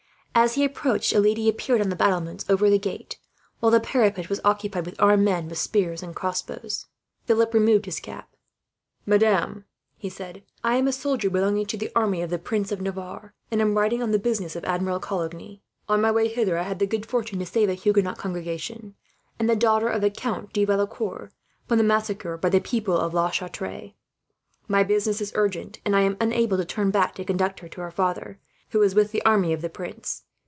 As he approached, a lady appeared on the battlements over the gate; while the parapet was occupied with armed men, with spears and crossbows. Philip removed his cap. "Madame," he said, "I am a soldier belonging to the army of the Prince of Navarre, and am riding on the business of Admiral Coligny. On my way hither, I had the good fortune to save a Huguenot congregation, and the daughter of the Count de Valecourt, from massacre by the people of La Chatre. My business is urgent, and I am unable to turn back to conduct her to her father, who is with the army of the prince.